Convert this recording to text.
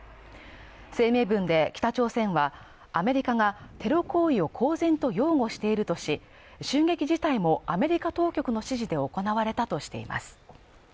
声明文で北朝鮮はアメリカがテロ行為を公然と擁護しているとし、襲撃自体も、アメリカ当局の指示で行われたとしています。